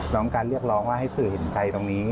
ต้องการเรียกร้องว่าให้สื่อเห็นใจตรงนี้